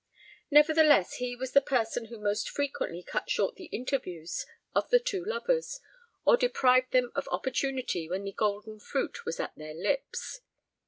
Nevertheless, he was the person who most frequently cut short the interviews of the two lovers, or deprived them of opportunity when the golden fruit was at their lips.